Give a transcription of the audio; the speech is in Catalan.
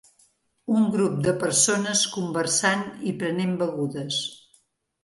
Un grup de persones conversant i prenent begudes.